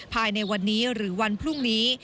ภายในวันนี้หรือวันพรุ่งนี้